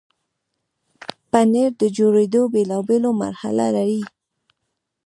پنېر د جوړېدو بیلابیل مراحل لري.